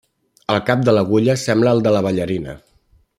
El cap de l'agulla sembla el de la ballarina.